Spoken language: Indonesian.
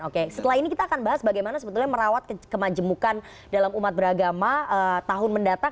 oke setelah ini kita akan bahas bagaimana sebetulnya merawat kemajemukan dalam umat beragama tahun mendatang